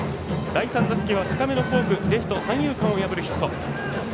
第３打席は高めのフォーク、レフト三遊間を破るヒット。